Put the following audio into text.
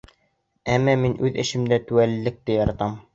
Әммә мин үҙ эшемдә теүәллекте яратам.